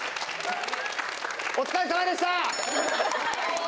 お疲れさまでした！